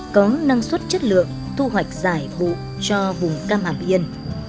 có năng suất chất lượng thu hoạch giải vụ cho vùng cam hàm yên